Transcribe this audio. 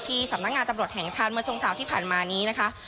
สำนักงานตำรวจแห่งชาติเมื่อช่วงเช้าที่ผ่านมานี้นะคะ